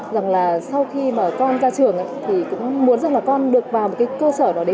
rằng là sau khi mà con ra trường thì cũng muốn rằng là con được vào một cái cơ sở đó để